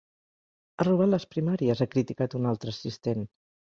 “Ha robat les primàries!”, ha criticat un altre assistent.